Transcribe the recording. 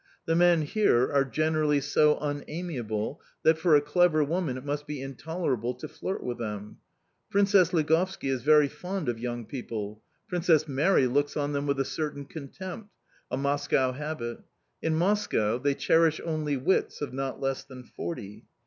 The men here are generally so unamiable, that, for a clever woman, it must be intolerable to flirt with them. Princess Ligovski is very fond of young people; Princess Mary looks on them with a certain contempt a Moscow habit! In Moscow they cherish only wits of not less than forty."